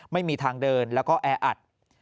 ไม่มีทางเดินแล้วก็แออัด